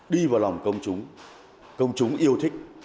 đi vào lòng công chúng công chúng yêu thích